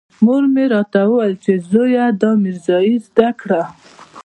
مور مې راته ويل چې زويه دا ميرزايي زده کړه.